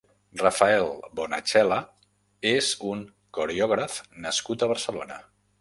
Rafael Bonachela és un coreògraf nascut a Barcelona.